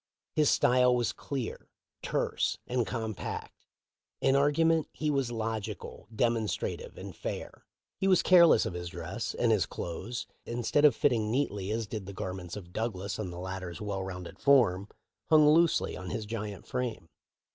His style was clear, terse, and compact. In argument he was logical, demon strative, and fair. He was careless of his dress, and his clothes, instead of fitting neatly as did the gar ments of Douglas on the latter's well rounded form, hung loosely on his giant frame.